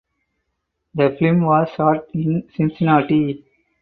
The film was shot in Cincinnati.